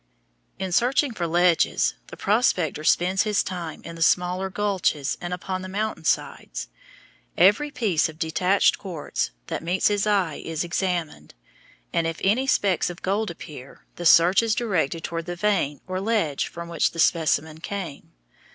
In searching for ledges the prospector spends his time in the smaller gulches and upon the mountain sides. Every piece of detached quartz that meets his eye is examined, and if any specks of gold appear, the search is directed toward the vein or ledge from which the specimen came.